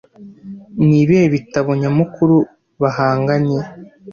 Nibihe bitabo nyamukuru bahanganye